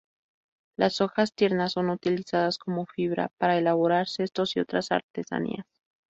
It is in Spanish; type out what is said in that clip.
Las hojas tiernas son utilizadas como fibra para elaborar cestos y otras artesanías.